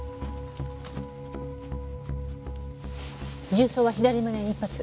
銃創は左胸に１発。